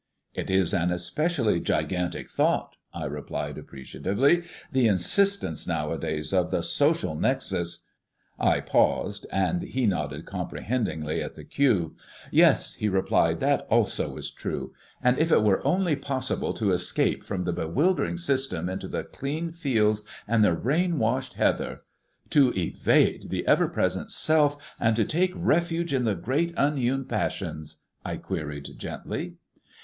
"It is an especially gigantic thought," I replied appreciatively. "The insistence nowadays of the Social Nexus " I paused, and he nodded comprehendingly at the cue. "Yes," he replied, "that also is true. Ah, if it were only possible to escape from the bewildering system into the clean fields and the rain washed heather " "To evade the ever present Self, and to take refuge in the great unhewn passions?" I queried gently.